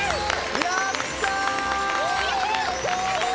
やった！